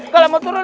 kalau mau turun